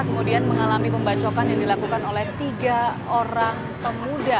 kemudian mengalami pembacokan yang dilakukan oleh tiga orang pemuda